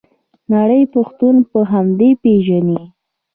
نړۍ پښتون په همدې پیژني.